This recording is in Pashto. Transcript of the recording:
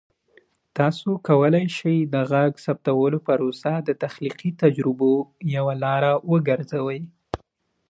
تاسو کولی شئ د غږ ثبتولو پروسه د تخلیقي تجربو یوه لاره وګرځوئ.